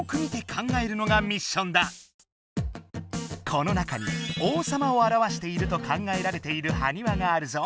この中に王様を表していると考えられているはにわがあるぞ。